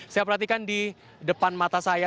saya perhatikan di depan mata saya